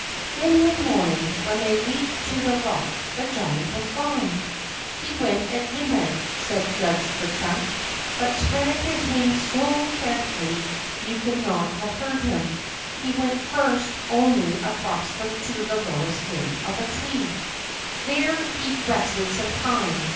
Then one morning, when they leaped to the rock, the giant was gone. He went at midnight," said Judge Ker Chunk, hut spread his wings so carefully you THE WOUNHEH AIR GIANT 47 could not have heard him. He went first only across to the lowest limb of a tree. There he rested some time.